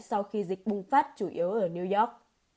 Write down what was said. sau khi dịch bùng phát chủ yếu ở new york